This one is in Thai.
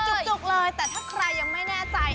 จุกเลยแต่ถ้าใครยังไม่แน่ใจ